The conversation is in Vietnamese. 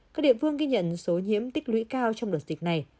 các địa phương ghi nhận số nhiễm tích lũy cao trong đợt dịch này